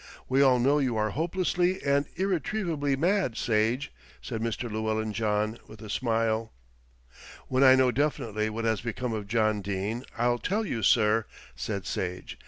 "We all know you are hopelessly and irretrievably mad, Sage," said Mr. Llewellyn John with a smile. "When I know definitely what has become of John Dene, I'll tell you, sir," said Sage.